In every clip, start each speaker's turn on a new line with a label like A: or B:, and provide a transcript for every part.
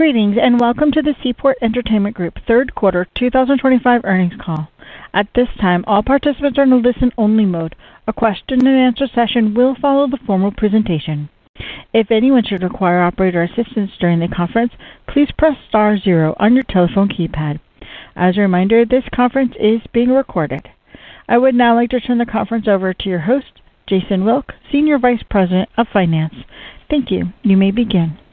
A: Greetings and welcome to the Seaport Entertainment Group third quarter 2025 earnings call. At this time, all participants are in a listen-only mode. A question-and-answer session will follow the formal presentation. If anyone should require operator assistance during the conference, please press star zero on your telephone keypad. As a reminder, this conference is being recorded. I would now like to turn the conference over to your host, Jason Wilk, Senior Vice President of Finance. Thank you. You may begin.
B: Thank you,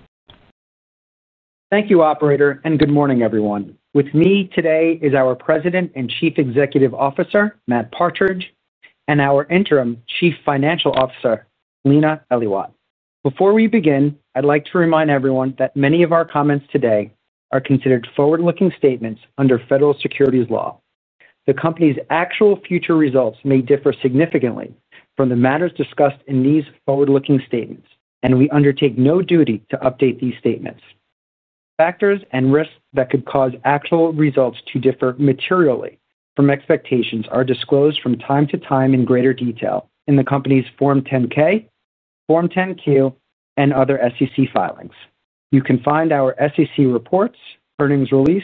B: Operator, and good morning, everyone. With me today is our President and Chief Executive Officer, Matt Partridge, and our Interim Chief Financial Officer, Lena Eliwat. Before we begin, I'd like to remind everyone that many of our comments today are considered forward-looking statements under federal securities law. The company's actual future results may differ significantly from the matters discussed in these forward-looking statements, and we undertake no duty to update these statements. Factors and risks that could cause actual results to differ materially from expectations are disclosed from time to time in greater detail in the company's Form 10-K, Form 10-Q, and other SEC filings. You can find our SEC reports, earnings release,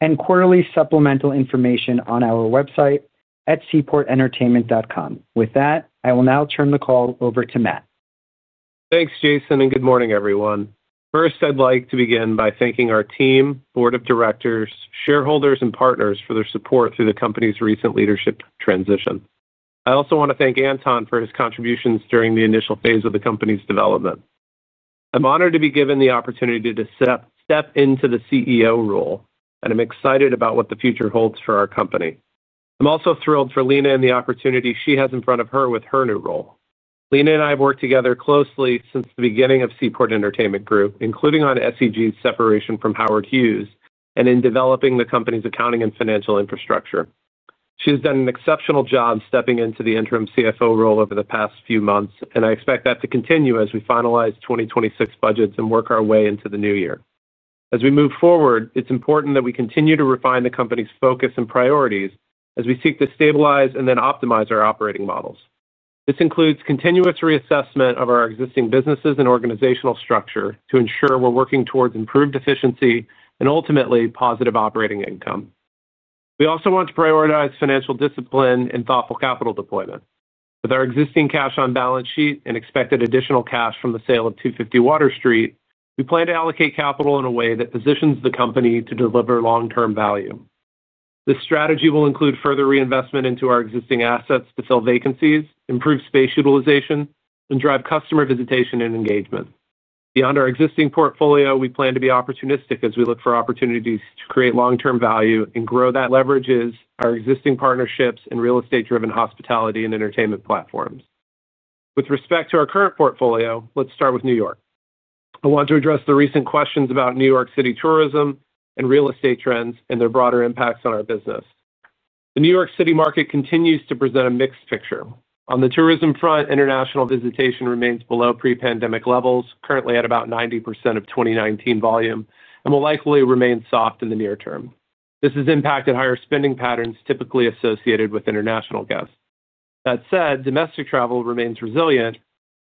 B: and quarterly supplemental information on our website at seaportentertainment.com. With that, I will now turn the call over to Matt.
C: Thanks, Jason, and good morning, everyone. First, I'd like to begin by thanking our team, board of directors, shareholders, and partners for their support through the company's recent leadership transition. I also want to thank Anton for his contributions during the initial phase of the company's development. I'm honored to be given the opportunity to step into the CEO role, and I'm excited about what the future holds for our company. I'm also thrilled for Lena and the opportunity she has in front of her with her new role. Lena and I have worked together closely since the beginning of Seaport Entertainment Group, including on SEG's separation from Howard Hughes and in developing the company's accounting and financial infrastructure. She has done an exceptional job stepping into the interim CFO role over the past few months, and I expect that to continue as we finalize 2026 budgets and work our way into the new year. As we move forward, it's important that we continue to refine the company's focus and priorities as we seek to stabilize and then optimize our operating models. This includes continuous reassessment of our existing businesses and organizational structure to ensure we're working towards improved efficiency and ultimately positive operating income. We also want to prioritize financial discipline and thoughtful capital deployment. With our existing cash on balance sheet and expected additional cash from the sale of 250 Water Street, we plan to allocate capital in a way that positions the company to deliver long-term value. This strategy will include further reinvestment into our existing assets to fill vacancies, improve space utilization, and drive customer visitation and engagement. Beyond our existing portfolio, we plan to be opportunistic as we look for opportunities to create long-term value and grow that leverage with our existing partnerships in real estate-driven hospitality and entertainment platforms. With respect to our current portfolio, let's start with New York. I want to address the recent questions about New York City tourism and real estate trends and their broader impacts on our business. The New York City market continues to present a mixed picture. On the tourism front, international visitation remains below pre-pandemic levels, currently at about 90% of 2019 volume, and will likely remain soft in the near term. This has impacted higher spending patterns typically associated with international guests. That said, domestic travel remains resilient,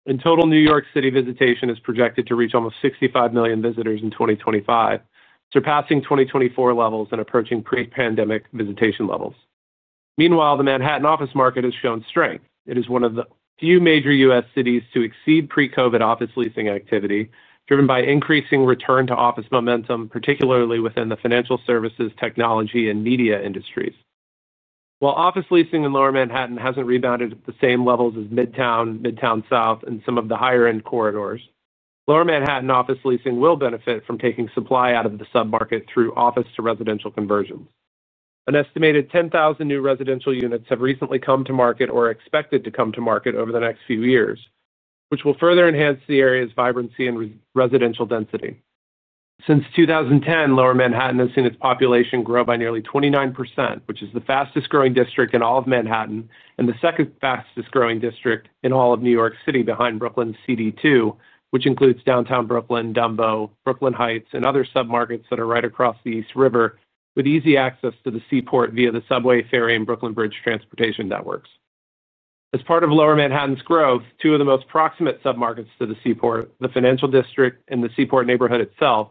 C: and total New York City visitation is projected to reach almost 65 million visitors in 2025, surpassing 2024 levels and approaching pre-pandemic visitation levels. Meanwhile, the Manhattan office market has shown strength. It is one of the few major U.S. cities to exceed pre-COVID office leasing activity, driven by increasing return-to-office momentum, particularly within the financial services, technology, and media industries. While office leasing in Lower Manhattan has not rebounded at the same levels as Midtown, Midtown South, and some of the higher-end corridors, Lower Manhattan office leasing will benefit from taking supply out of the submarket through office-to-residential conversions. An estimated 10,000 new residential units have recently come to market or are expected to come to market over the next few years, which will further enhance the area's vibrancy and residential density. Since 2010, Lower Manhattan has seen its population grow by nearly 29%, which is the fastest-growing district in all of Manhattan and the second fastest-growing district in all of New York City, behind Brooklyn's CD2, which includes Downtown Brooklyn, Dumbo, Brooklyn Heights, and other submarkets that are right across the East River, with easy access to the Seaport via the subway, ferry, and Brooklyn Bridge transportation networks. As part of Lower Manhattan's growth, two of the most proximate submarkets to the Seaport, the Financial District and the Seaport neighborhood itself,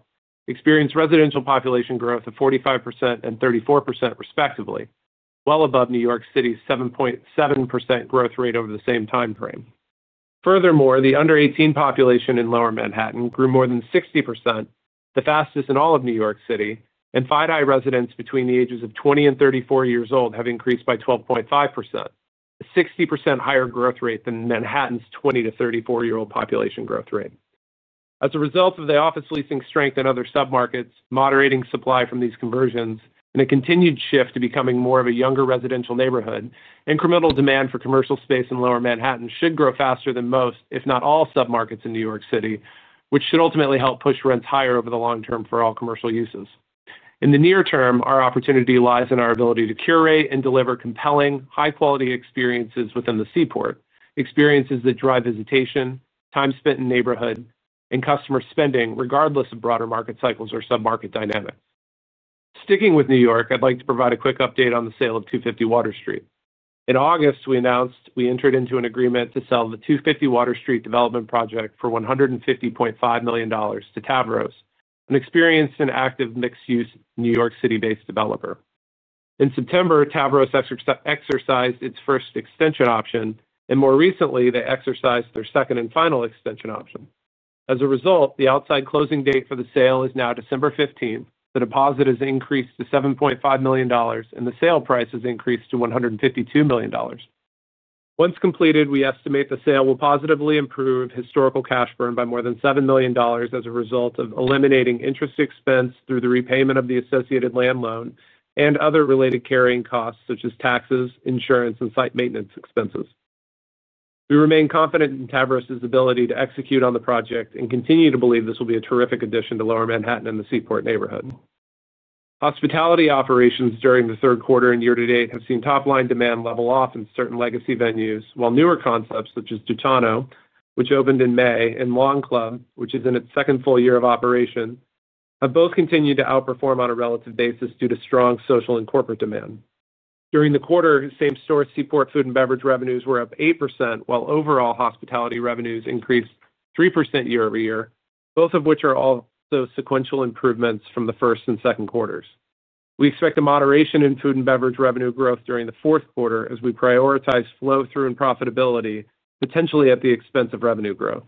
C: experienced residential population growth of 45% and 34%, respectively, well above New York City's 7.7% growth rate over the same time frame. Furthermore, the under-18 population in Lower Manhattan grew more than 60%, the fastest in all of New York City, and FIDI residents between the ages of 20 and 34 years old have increased by 12.5%, a 60% higher growth rate than Manhattan's 20 to 34-year-old population growth rate. As a result of the office leasing strength in other submarkets, moderating supply from these conversions, and a continued shift to becoming more of a younger residential neighborhood, incremental demand for commercial space in Lower Manhattan should grow faster than most, if not all, submarkets in New York City, which should ultimately help push rents higher over the long term for all commercial uses. In the near term, our opportunity lies in our ability to curate and deliver compelling, high-quality experiences within the Seaport, experiences that drive visitation, time spent in neighborhood, and customer spending, regardless of broader market cycles or submarket dynamics. Sticking with New York, I'd like to provide a quick update on the sale of 250 Water Street. In August, we announced we entered into an agreement to sell the 250 Water Street development project for $150.5 million to Tavros, an experienced and active mixed-use New York City-based developer. In September, Tavros exercised its first extension option, and more recently, they exercised their second and final extension option. As a result, the outside closing date for the sale is now December 15th. The deposit has increased to $7.5 million, and the sale price has increased to $152 million. Once completed, we estimate the sale will positively improve historical cash burn by more than $7 million as a result of eliminating interest expense through the repayment of the associated land loan and other related carrying costs such as taxes, insurance, and site maintenance expenses. We remain confident in Tavros' ability to execute on the project and continue to believe this will be a terrific addition to Lower Manhattan and the Seaport neighborhood. Hospitality operations during the third quarter and year-to-date have seen top-line demand level off in certain legacy venues, while newer concepts such as Dutano, which opened in May, and Long Club, which is in its second full year of operation, have both continued to outperform on a relative basis due to strong social and corporate demand. During the quarter, same-store Seaport food and beverage revenues were up 8%, while overall hospitality revenues increased 3% year-over-year, both of which are also sequential improvements from the first and second quarters. We expect a moderation in food and beverage revenue growth during the fourth quarter as we prioritize flow-through and profitability, potentially at the expense of revenue growth.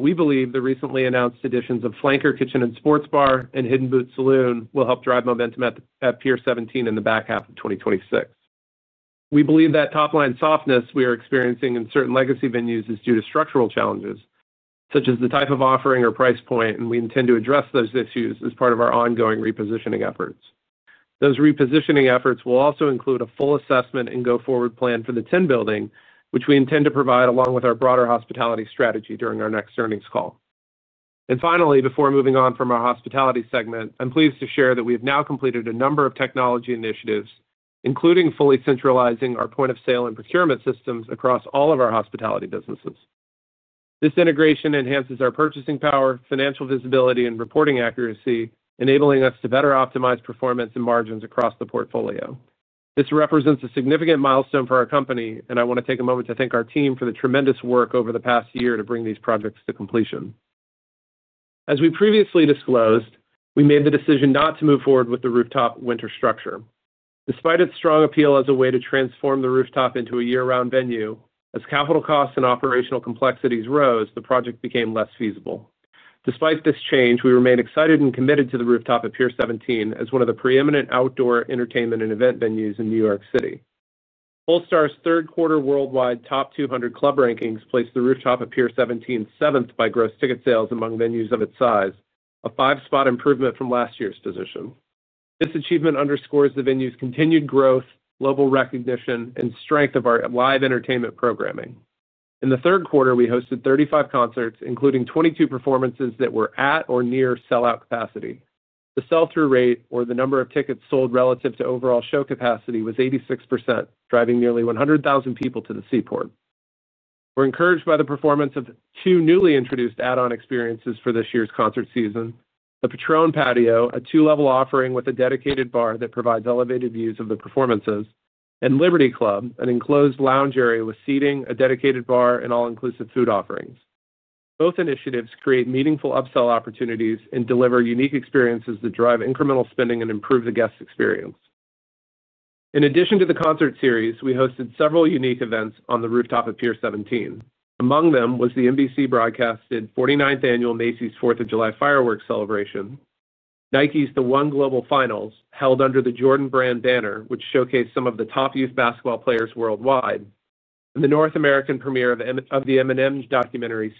C: We believe the recently announced additions of Flanker Kitchen and Sports Bar and Hidden Boot Saloon will help drive momentum at Pier 17 in the back half of 2026. We believe that top-line softness we are experiencing in certain legacy venues is due to structural challenges, such as the type of offering or price point, and we intend to address those issues as part of our ongoing repositioning efforts. Those repositioning efforts will also include a full assessment and go-forward plan for the Tin Building, which we intend to provide along with our broader hospitality strategy during our next earnings call. Finally, before moving on from our hospitality segment, I'm pleased to share that we have now completed a number of technology initiatives, including fully centralizing our point-of-sale and procurement systems across all of our hospitality businesses. This integration enhances our purchasing power, financial visibility, and reporting accuracy, enabling us to better optimize performance and margins across the portfolio. This represents a significant milestone for our company, and I want to take a moment to thank our team for the tremendous work over the past year to bring these projects to completion. As we previously disclosed, we made the decision not to move forward with the rooftop winter structure. Despite its strong appeal as a way to transform the Rooftop into a year-round venue, as capital costs and operational complexities rose, the project became less feasible. Despite this change, we remain excited and committed to the Rooftop at Pier 17 as one of the preeminent outdoor entertainment and event venues in New York City. Pollstar's third-quarter worldwide top 200 club rankings placed the Rooftop at Pier 17 seventh by gross ticket sales among venues of its size, a five-spot improvement from last year's position. This achievement underscores the venue's continued growth, global recognition, and strength of our live entertainment programming. In the third quarter, we hosted 35 concerts, including 22 performances that were at or near sell-out capacity. The sell-through rate, or the number of tickets sold relative to overall show capacity, was 86%, driving nearly 100,000 people to the Seaport. We're encouraged by the performance of two newly introduced add-on experiences for this year's concert season: the Patron Patio, a two-level offering with a dedicated bar that provides elevated views of the performances, and Liberty Club, an enclosed lounge area with seating, a dedicated bar, and all-inclusive food offerings. Both initiatives create meaningful upsell opportunities and deliver unique experiences that drive incremental spending and improve the guest experience. In addition to the concert series, we hosted several unique events on the Rooftop at Pier 17. Among them was the NBC-broadcasted 49th Annual Macy's 4th of July Fireworks Celebration, Nike's The One Global Finals held under the Jordan brand banner, which showcased some of the top youth basketball players worldwide, and the North American premiere of the M&M'S Stands documentary,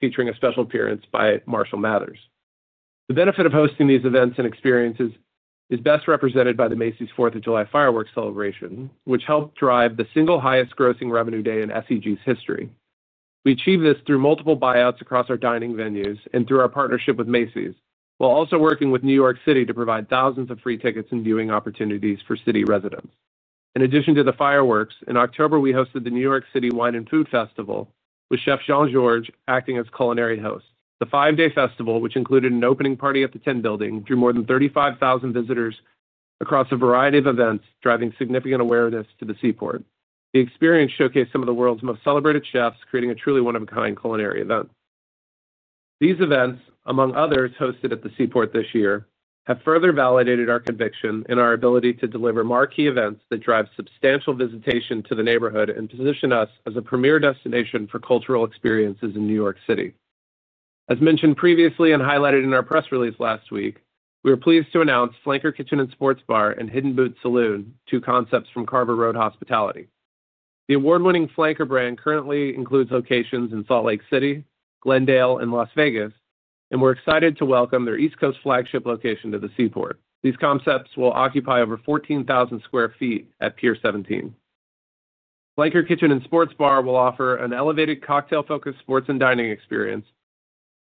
C: featuring a special appearance by Marshall Mathers. The benefit of hosting these events and experiences is best represented by the Macy's 4th of July Fireworks Celebration, which helped drive the single highest grossing revenue day in SEG's history. We achieved this through multiple buyouts across our dining venues and through our partnership with Macy's, while also working with New York City to provide thousands of free tickets and viewing opportunities for city residents. In addition to the fireworks, in October, we hosted the New York City Wine and Food Festival, with Chef Jean-Georges acting as culinary host. The five-day festival, which included an opening party at the Tin Building, drew more than 35,000 visitors across a variety of events, driving significant awareness to the Seaport. The experience showcased some of the world's most celebrated chefs creating a truly one-of-a-kind culinary event. These events, among others hosted at the Seaport this year, have further validated our conviction and our ability to deliver marquee events that drive substantial visitation to the neighborhood and position us as a premier destination for cultural experiences in New York City. As mentioned previously and highlighted in our press release last week, we are pleased to announce Flanker Kitchen and Sports Bar and Hidden Boot Saloon, two concepts from Carver Road Hospitality. The award-winning Flanker brand currently includes locations in Salt Lake City, Glendale, and Las Vegas, and we're excited to welcome their East Coast flagship location to the Seaport. These concepts will occupy over 14,000 sq ft at Pier 17. Flanker Kitchen and Sports Bar will offer an elevated cocktail-focused sports and dining experience,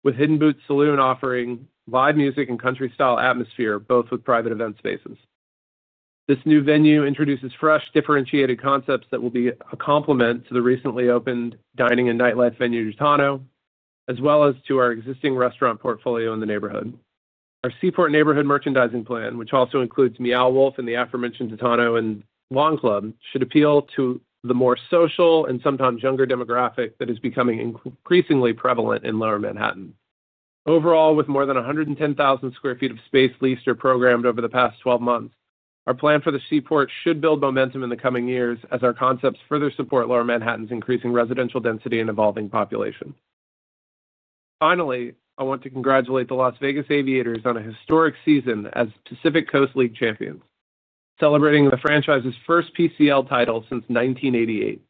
C: with Hidden Boot Saloon offering live music and country-style atmosphere, both with private event spaces. This new venue introduces fresh, differentiated concepts that will be a complement to the recently opened dining and nightlife venue Dutano, as well as to our existing restaurant portfolio in the neighborhood. Our Seaport neighborhood merchandising plan, which also includes Meow Wolf and the aforementioned Dutano and Long Club, should appeal to the more social and sometimes younger demographic that is becoming increasingly prevalent in Lower Manhattan. Overall, with more than 110,000 sq ft of space leased or programmed over the past 12 months, our plan for the Seaport should build momentum in the coming years as our concepts further support Lower Manhattan's increasing residential density and evolving population. Finally, I want to congratulate the Las Vegas Aviators on a historic season as Pacific Coast League champions, celebrating the franchise's first PCL title since 1988.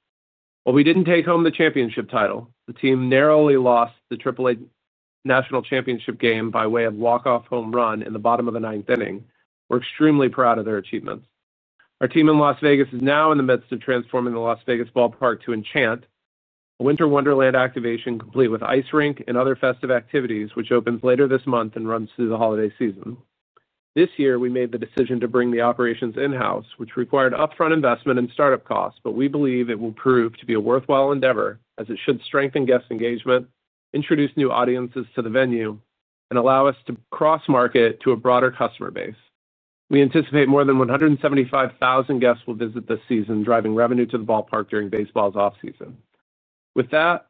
C: While we didn't take home the championship title, the team narrowly lost the AAA National Championship game by way of walk-off home run in the bottom of the ninth inning. We're extremely proud of their achievements. Our team in Las Vegas is now in the midst of transforming the Las Vegas Ballpark to Enchant, a winter wonderland activation complete with ice rink and other festive activities, which opens later this month and runs through the holiday season. This year, we made the decision to bring the operations in-house, which required upfront investment and startup costs, but we believe it will prove to be a worthwhile endeavor as it should strengthen guest engagement, introduce new audiences to the venue, and allow us to cross-market to a broader customer base. We anticipate more than 175,000 guests will visit this season, driving revenue to the ballpark during baseball's off-season. With that,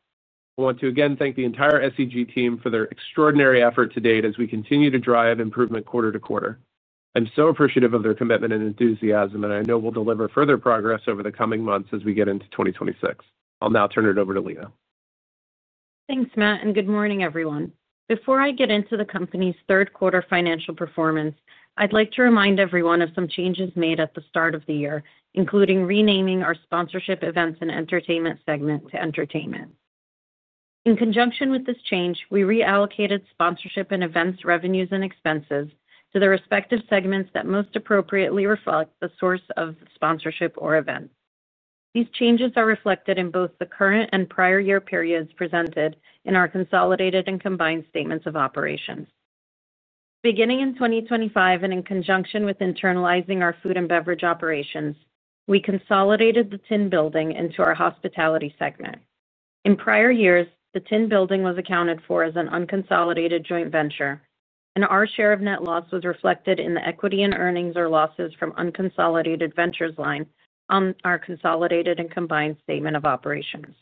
C: I want to again thank the entire SEG team for their extraordinary effort to date as we continue to drive improvement quarter to quarter. I'm so appreciative of their commitment and enthusiasm, and I know we'll deliver further progress over the coming months as we get into 2026. I'll now turn it over to Lena.
D: Thanks, Matt, and good morning, everyone. Before I get into the company's third-quarter financial performance, I'd like to remind everyone of some changes made at the start of the year, including renaming our sponsorship events and entertainment segment to Entertainment. In conjunction with this change, we reallocated sponsorship and events revenues and expenses to the respective segments that most appropriately reflect the source of sponsorship or event. These changes are reflected in both the current and prior year periods presented in our consolidated and combined statements of operations. Beginning in 2025 and in conjunction with internalizing our food and beverage operations, we consolidated the Tin Building into our hospitality segment. In prior years, the Tin Building was accounted for as an unconsolidated joint venture, and our share of net loss was reflected in the equity and earnings or losses from unconsolidated ventures line on our consolidated and combined statement of operations.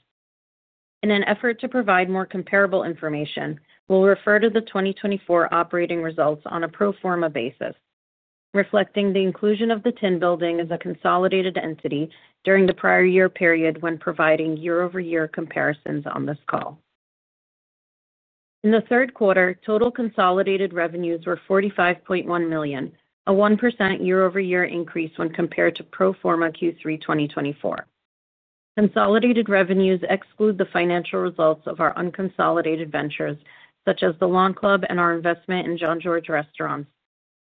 D: In an effort to provide more comparable information, we'll refer to the 2024 operating results on a pro forma basis, reflecting the inclusion of the Tin Building as a consolidated entity during the prior year period when providing year-over-year comparisons on this call. In the third quarter, total consolidated revenues were $45.1 million, a 1% year-over-year increase when compared to pro forma Q3 2024. Consolidated revenues exclude the financial results of our unconsolidated ventures, such as the Long Club and our investment in Jean-Georges restaurants,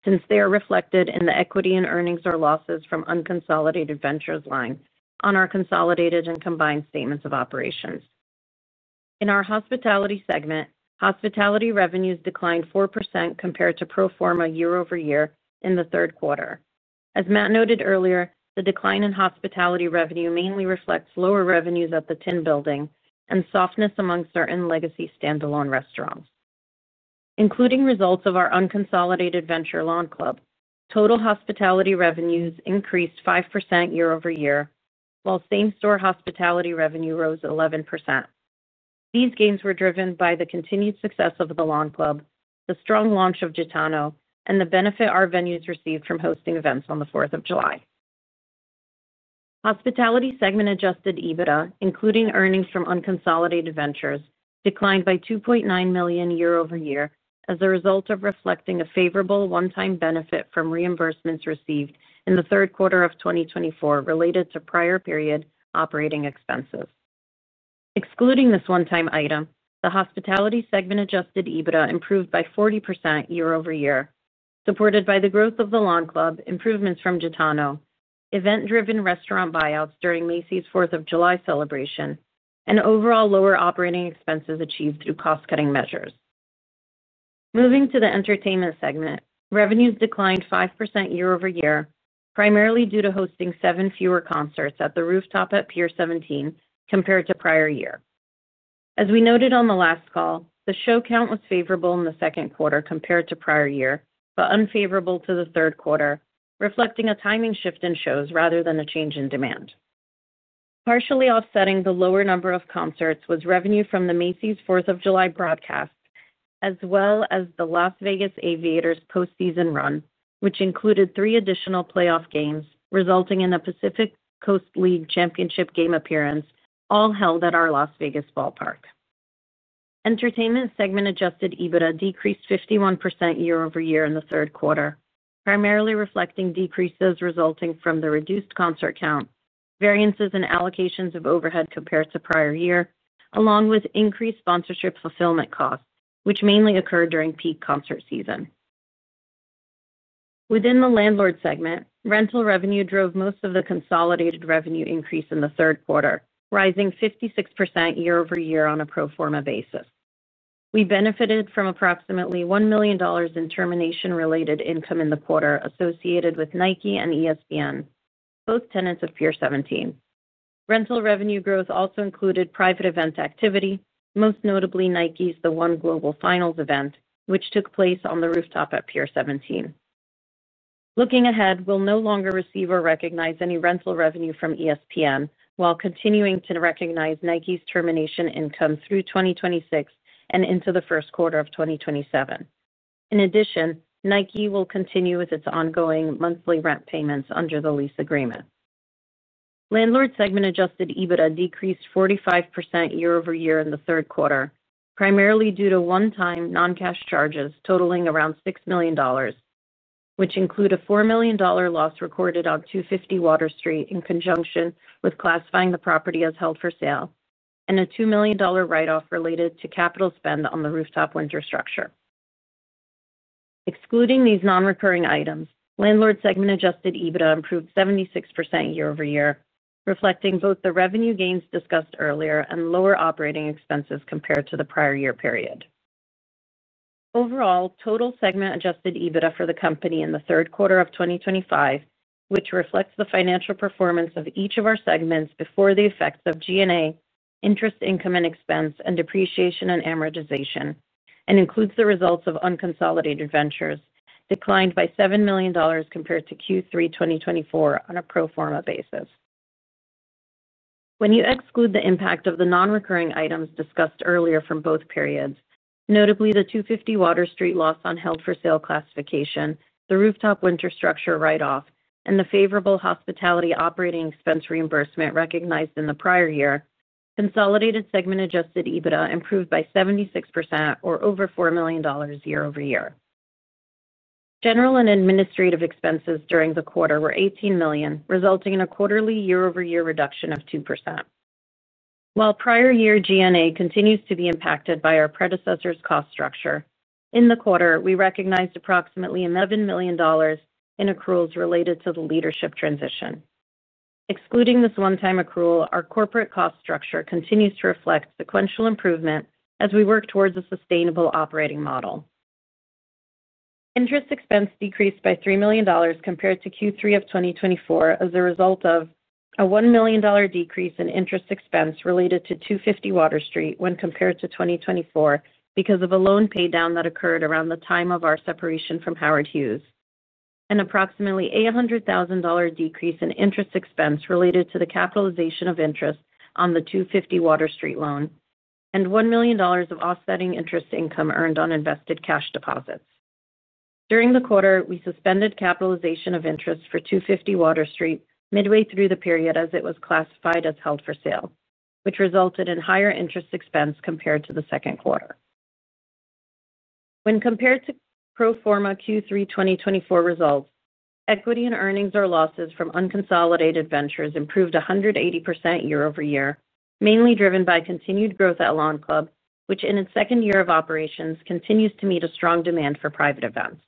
D: since they are reflected in the equity and earnings or losses from unconsolidated ventures line on our consolidated and combined statements of operations. In our hospitality segment, hospitality revenues declined 4% compared to pro forma year-over-year in the third quarter. As Matt noted earlier, the decline in hospitality revenue mainly reflects lower revenues at the Tin Building and softness among certain legacy standalone restaurants. Including results of our unconsolidated venture, Long Club, total hospitality revenues increased 5% year-over-year, while same-store hospitality revenue rose 11%. These gains were driven by the continued success of the Long Club, the strong launch of Dutano, and the benefit our venues received from hosting events on the 4th of July. Hospitality segment-adjusted EBITDA, including earnings from unconsolidated ventures, declined by $2.9 million year-over-year as a result of reflecting a favorable one-time benefit from reimbursements received in the third quarter of 2024 related to prior period operating expenses. Excluding this one-time item, the hospitality segment-adjusted EBITDA improved by 40% year-over-year, supported by the growth of the Long Club, improvements from Dutano, event-driven restaurant buyouts during Macy's 4th of July celebration, and overall lower operating expenses achieved through cost-cutting measures. Moving to the entertainment segment, revenues declined 5% year-over-year, primarily due to hosting seven fewer concerts at the Rooftop at Pier 17 compared to prior year. As we noted on the last call, the show count was favorable in the second quarter compared to prior year, but unfavorable to the third quarter, reflecting a timing shift in shows rather than a change in demand. Partially offsetting the lower number of concerts was revenue from the Macy's 4th of July broadcast, as well as the Las Vegas Aviators' post-season run, which included three additional playoff games, resulting in a Pacific Coast League Championship game appearance, all held at our Las Vegas Ballpark. Entertainment segment-adjusted EBITDA decreased 51% year-over-year in the third quarter, primarily reflecting decreases resulting from the reduced concert count, variances in allocations of overhead compared to prior year, along with increased sponsorship fulfillment costs, which mainly occurred during peak concert season. Within the landlord segment, rental revenue drove most of the consolidated revenue increase in the third quarter, rising 56% year-over-year on a pro forma basis. We benefited from approximately $1 million in termination-related income in the quarter associated with Nike and ESPN, both tenants of Pier 17. Rental revenue growth also included private event activity, most notably Nike's The One Global Finals event, which took place on the Rooftop at Pier 17. Looking ahead, we'll no longer receive or recognize any rental revenue from ESPN while continuing to recognize Nike's termination income through 2026 and into the first quarter of 2027. In addition, Nike will continue with its ongoing monthly rent payments under the lease agreement. Landlord segment-adjusted EBITDA decreased 45% year-over-year in the third quarter, primarily due to one-time non-cash charges totaling around $6 million, which include a $4 million loss recorded on 250 Water Street in conjunction with classifying the property as held for sale, and a $2 million write-off related to capital spend on the Rooftop winter structure. Excluding these non-recurring items, landlord segment-adjusted EBITDA improved 76% year-over-year, reflecting both the revenue gains discussed earlier and lower operating expenses compared to the prior year period. Overall, total segment-adjusted EBITDA for the company in the third quarter of 2025, which reflects the financial performance of each of our segments before the effects of G&A, interest income and expense, and depreciation and amortization, and includes the results of unconsolidated ventures, declined by $7 million compared to Q3 2024 on a pro forma basis. When you exclude the impact of the non-recurring items discussed earlier from both periods, notably the 250 Water Street loss on held-for-sale classification, the Rooftop winter structure write-off, and the favorable hospitality operating expense reimbursement recognized in the prior year, consolidated segment-adjusted EBITDA improved by 76% or over $4 million year-over-year. General and administrative expenses during the quarter were $18 million, resulting in a quarterly year-over-year reduction of 2%. While prior year G&A continues to be impacted by our predecessor's cost structure, in the quarter, we recognized approximately $11 million in accruals related to the leadership transition. Excluding this one-time accrual, our corporate cost structure continues to reflect sequential improvement as we work towards a sustainable operating model. Interest expense decreased by $3 million compared to Q3 of 2024 as a result of a $1 million decrease in interest expense related to 250 Water Street when compared to 2024 because of a loan paydown that occurred around the time of our separation from Howard Hughes, an approximately $800,000 decrease in interest expense related to the capitalization of interest on the 250 Water Street loan, and $1 million of offsetting interest income earned on invested cash deposits. During the quarter, we suspended capitalization of interest for 250 Water Street midway through the period as it was classified as held for sale, which resulted in higher interest expense compared to the second quarter. When compared to pro forma Q3 2024 results, equity and earnings or losses from unconsolidated ventures improved 180% year-over-year, mainly driven by continued growth at Long Club, which in its second year of operations continues to meet a strong demand for private events.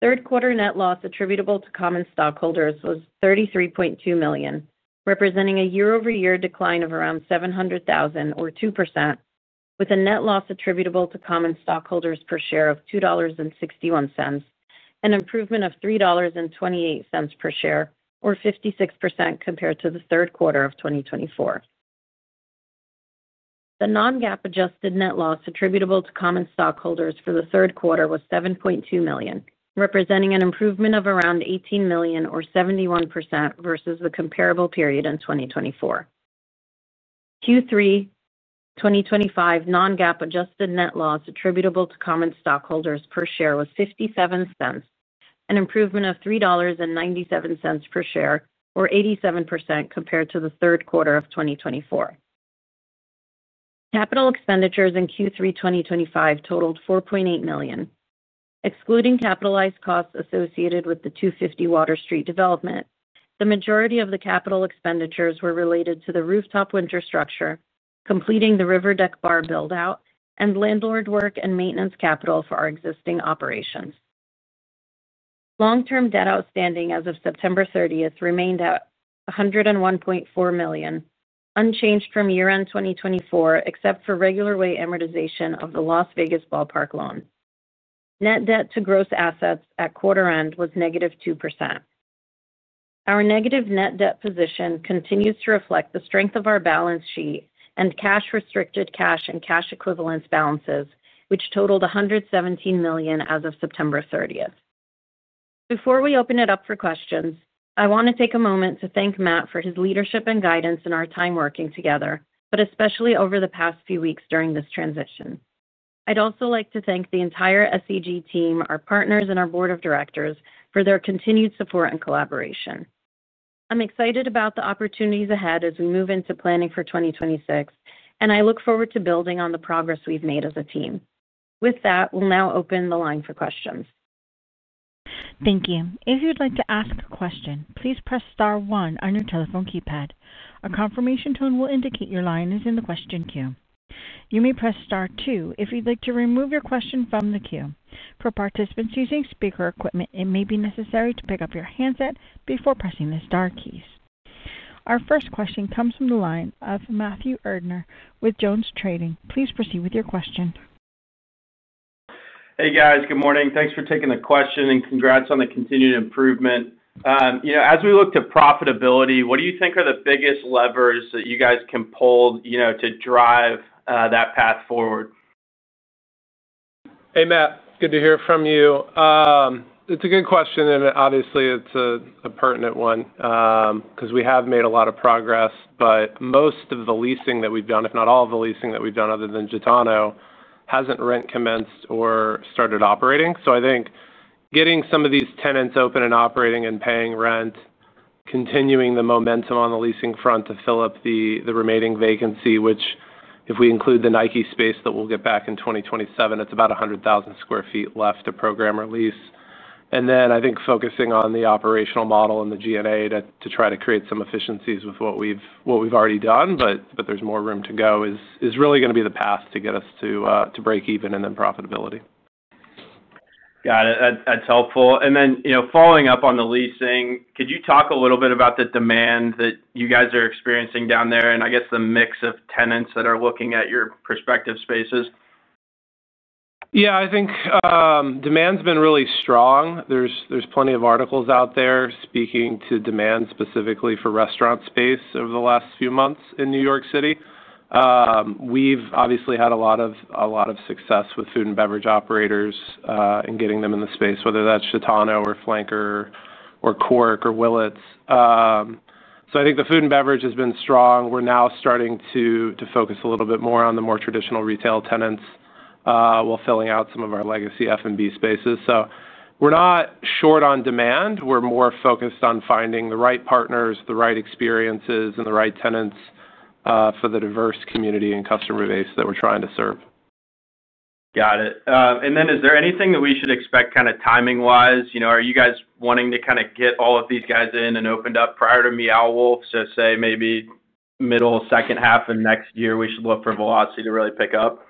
D: Third-quarter net loss attributable to common stockholders was $33.2 million, representing a year-over-year decline of around $700,000 or 2%, with a net loss attributable to common stockholders per share of $2.61 and an improvement of $3.28 per share, or 56% compared to the third quarter of 2024. The non-GAAP adjusted net loss attributable to common stockholders for the third quarter was $7.2 million, representing an improvement of around $18 million or 71% versus the comparable period in 2024. Q3 2025 non-GAAP adjusted net loss attributable to common stockholders per share was $0.57, an improvement of $3.97 per share, or 87% compared to the third quarter of 2024. Capital expenditures in Q3 2025 totaled $4.8 million. Excluding capitalized costs associated with the 250 Water Street development, the majority of the capital expenditures were related to the Rooftop winter structure, completing the River Deck Bar buildout, and landlord work and maintenance capital for our existing operations. Long-term debt outstanding as of September 30 remained at $101.4 million, unchanged from year-end 2024 except for regular way amortization of the Las Vegas Ballpark loan. Net debt to gross assets at quarter-end was negative 2%. Our negative net debt position continues to reflect the strength of our balance sheet and cash, restricted cash, and cash equivalents balances, which totaled $117 million as of September 30. Before we open it up for questions, I want to take a moment to thank Matt for his leadership and guidance in our time working together, but especially over the past few weeks during this transition. I'd also like to thank the entire SEG team, our partners, and our board of directors for their continued support and collaboration. I'm excited about the opportunities ahead as we move into planning for 2026, and I look forward to building on the progress we've made as a team. With that, we'll now open the line for questions.
A: Thank you. If you'd like to ask a question, please press Star one on your telephone keypad. A confirmation tone will indicate your line is in the question queue. You may press Star two if you'd like to remove your question from the queue. For participants using speaker equipment, it may be necessary to pick up your handset before pressing the Star keys. Our first question comes from the line of Matthew Erdner with JonesTrading. Please proceed with your question.
E: Hey, guys. Good morning. Thanks for taking the question and congrats on the continued improvement. As we look to profitability, what do you think are the biggest levers that you guys can pull to drive that path forward?
C: Hey, Matt. Good to hear from you. It's a good question, and obviously, it's a pertinent one because we have made a lot of progress, but most of the leasing that we've done, if not all of the leasing that we've done other than Dutano, hasn't rent commenced or started operating. I think getting some of these tenants open and operating and paying rent, continuing the momentum on the leasing front to fill up the remaining vacancy, which, if we include the Nike space that we'll get back in 2027, it's about 100,000 sq ft left to program or lease. I think focusing on the operational model and the G&A to try to create some efficiencies with what we've already done, but there's more room to go, is really going to be the path to get us to break even and then profitability.
E: Got it. That's helpful. Following up on the leasing, could you talk a little bit about the demand that you guys are experiencing down there and I guess the mix of tenants that are looking at your prospective spaces?
C: Yeah. I think demand's been really strong. There are plenty of articles out there speaking to demand specifically for restaurant space over the last few months in New York City. We've obviously had a lot of success with food and beverage operators in getting them in the space, whether that's Dutano or Flanker or Quirk or Willets. I think the food and beverage has been strong. We're now starting to focus a little bit more on the more traditional retail tenants while filling out some of our legacy F&B spaces. We're not short on demand. We're more focused on finding the right partners, the right experiences, and the right tenants for the diverse community and customer base that we're trying to serve.
E: Got it. Is there anything that we should expect kind of timing-wise? Are you guys wanting to kind of get all of these guys in and opened up prior to Meow Wolf? Say maybe middle, second half of next year, we should look for velocity to really pick up.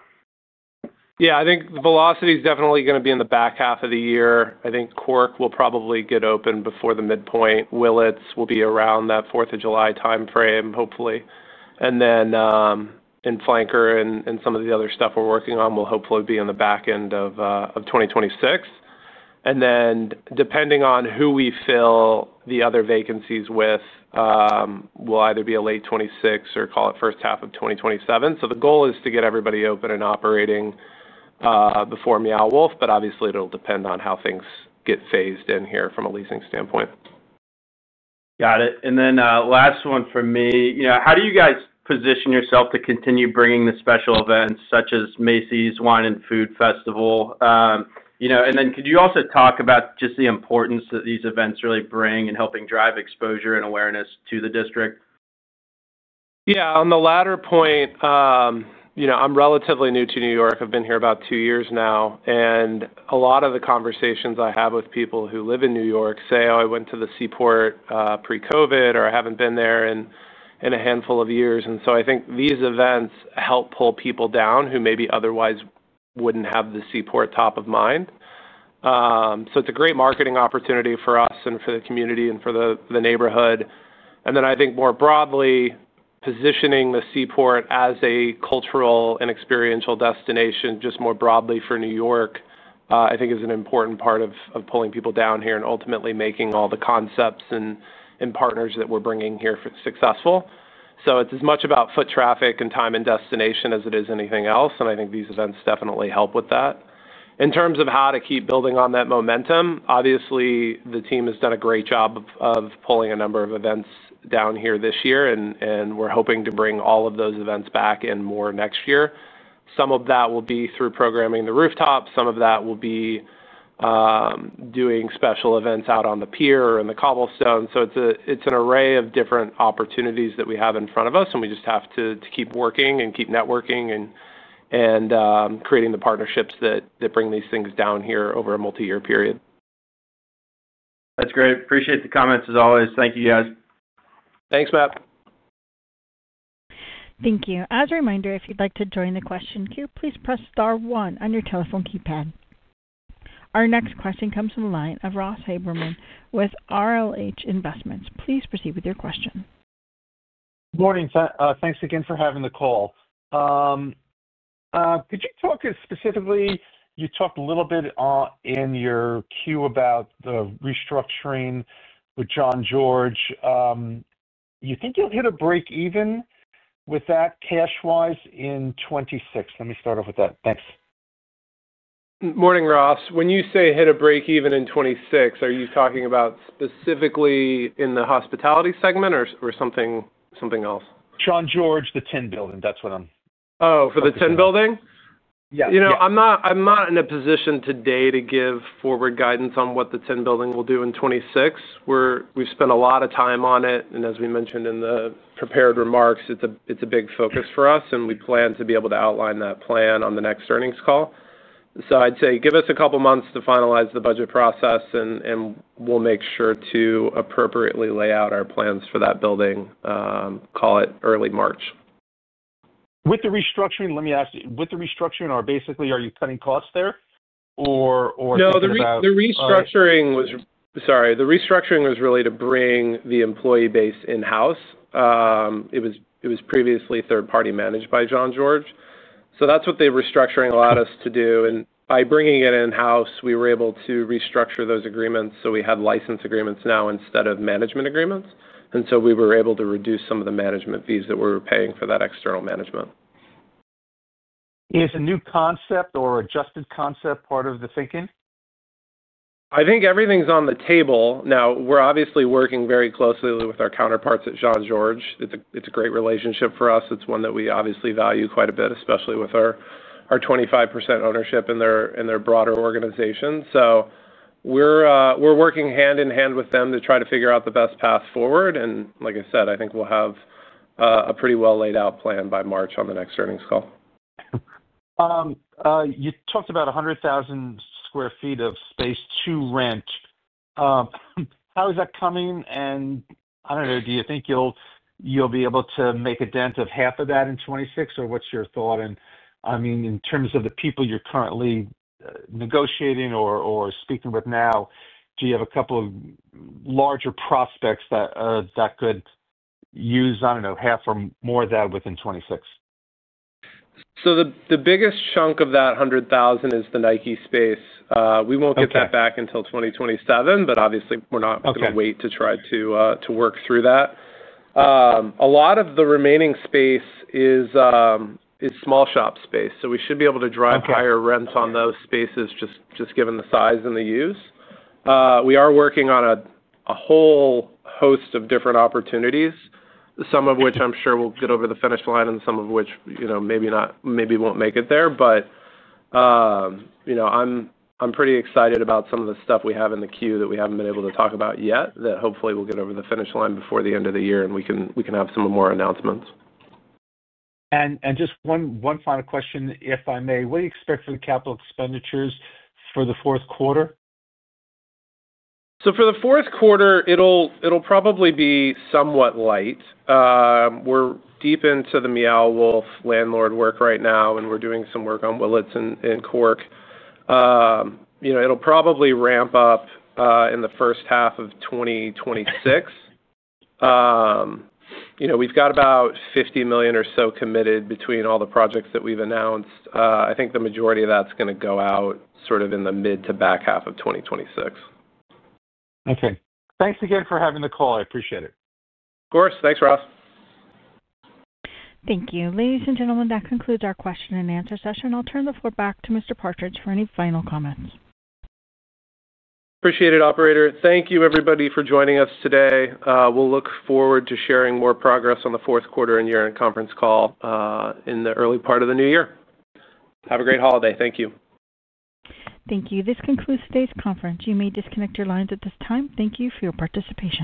C: Yeah. I think velocity is definitely going to be in the back half of the year. I think Quirk will probably get open before the midpoint. Willets will be around that 4th of July timeframe, hopefully. Flenker and some of the other stuff we're working on will hopefully be in the back end of 2026. Then depending on who we fill the other vacancies with, we'll either be a late 2026 or call it first half of 2027. The goal is to get everybody open and operating before Meow Wolf, but obviously, it'll depend on how things get phased in here from a leasing standpoint.
E: Got it. Last one for me. How do you guys position yourself to continue bringing the special events such as Macy's Wine and Food Festival? Could you also talk about just the importance that these events really bring in helping drive exposure and awareness to the district?
C: Yeah. On the latter point, I'm relatively new to New York. I've been here about two years now. A lot of the conversations I have with people who live in New York say, "Oh, I went to the Seaport pre-COVID," or, "I have not been there in a handful of years." I think these events help pull people down who maybe otherwise would not have the Seaport top of mind. It is a great marketing opportunity for us and for the community and for the neighborhood. I think more broadly, positioning the Seaport as a cultural and experiential destination just more broadly for New York, I think, is an important part of pulling people down here and ultimately making all the concepts and partners that we are bringing here successful. It is as much about foot traffic and time and destination as it is anything else. I think these events definitely help with that. In terms of how to keep building on that momentum, obviously, the team has done a great job of pulling a number of events down here this year, and we're hoping to bring all of those events back and more next year. Some of that will be through programming the rooftop. Some of that will be doing special events out on the pier or in the cobblestone. It is an array of different opportunities that we have in front of us, and we just have to keep working and keep networking and creating the partnerships that bring these things down here over a multi-year period.
E: That's great. Appreciate the comments as always. Thank you, guys.
C: Thanks, Matt. Thank you.
A: As a reminder, if you'd like to join the question queue, please press Star 1 on your telephone keypad. Our next question comes from the line of Ross Haberman with RLH Investments. Please proceed with your question.
F: Good morning. Thanks again for having the call. Could you talk specifically? You talked a little bit in your Q about the restructuring with Jean-Georges. You think you'll hit a break even with that cash-wise in 2026? Let me start off with that. Thanks.
C: Morning, Ross. When you say hit a break even in 2026, are you talking about specifically in the hospitality segment or something else?
F: Jean-Georges, the Tin Building. That's what I'm—
C: Oh, for the Tin Building?
F: Yeah.
C: I'm not in a position today to give forward guidance on what the Tin Building will do in 2026. We've spent a lot of time on it. As we mentioned in the prepared remarks, it's a big focus for us, and we plan to be able to outline that plan on the next earnings call. I'd say give us a couple of months to finalize the budget process, and we'll make sure to appropriately lay out our plans for that building, call it early March.
F: With the restructuring, let me ask you, with the restructuring, are you basically cutting costs there or—
C: No, the restructuring was— sorry. The restructuring was really to bring the employee base in-house. It was previously third-party managed by Jean-Georges. That's what the restructuring allowed us to do. By bringing it in-house, we were able to restructure those agreements. We have license agreements now instead of management agreements. We were able to reduce some of the management fees that we were paying for that external management.
F: Is it a new concept or adjusted concept part of the thinking?
C: I think everything's on the table. Now, we're obviously working very closely with our counterparts at Jean-Georges. It's a great relationship for us. It's one that we obviously value quite a bit, especially with our 25% ownership in their broader organization. We are working hand in hand with them to try to figure out the best path forward. Like I said, I think we'll have a pretty well-laid-out plan by March on the next earnings call.
F: You talked about 100,000 sq ft of space to rent. How is that coming? I don't know. Do you think you'll be able to make a dent of half of that in 2026? Or what's your thought? I mean, in terms of the people you're currently negotiating or speaking with now, do you have a couple of larger prospects that could use, I don't know, half or more of that within 2026?
C: The biggest chunk of that 100,000 is the Nike space. We won't get that back until 2027, but obviously, we're not going to wait to try to work through that. A lot of the remaining space is small shop space. We should be able to drive higher rents on those spaces just given the size and the use. We are working on a whole host of different opportunities, some of which I'm sure we'll get over the finish line and some of which maybe won't make it there. I'm pretty excited about some of the stuff we have in the queue that we haven't been able to talk about yet that hopefully we'll get over the finish line before the end of the year and we can have some more announcements.
F: Just one final question, if I may. What do you expect for the capital expenditures for the fourth quarter?
C: For the fourth quarter, it'll probably be somewhat light. We're deep into the Meow Wolf landlord work right now, and we're doing some work on Willets and Quirk. It'll probably ramp up in the first half of 2026. We've got about $50 million or so committed between all the projects that we've announced. I think the majority of that's going to go out sort of in the mid to back half of 2026.
F: Okay. Thanks again for having the call. I appreciate it.
C: Of course. Thanks, Ross.
A: Thank you. Ladies and gentlemen, that concludes our question-and-answer session. I'll turn the floor back to Mr. Partridge for any final comments.
C: Appreciate it, operator. Thank you, everybody, for joining us today. We'll look forward to sharing more progress on the fourth quarter and year-end conference call in the early part of the new year. Have a great holiday. Thank you.
A: Thank you. This concludes today's conference. You may disconnect your lines at this time. Thank you for your participation.